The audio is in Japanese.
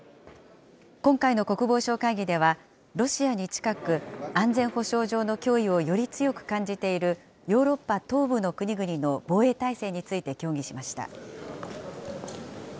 今回の国防相会議では、ロシアに近く安全保障上の脅威をより強く感じている、ヨーロッパ東部の国々の防衛態勢について協議しました。